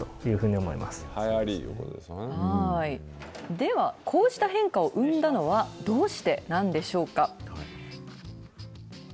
では、こうした変化を生んだのは、どうしてなんでしょうか。